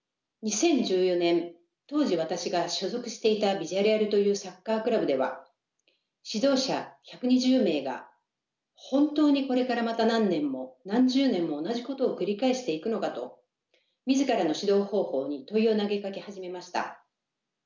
２０１４年当時私が所属していたビジャレアルというサッカークラブでは指導者１２０名が本当にこれからまた何年も何十年も同じことを繰り返していくのかと自らの指導方法に問いを投げかけ始めました。